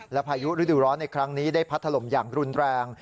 และพายุฤดูร้อนในครั้งนี้ได้พัดถล่มอย่างรุนแรง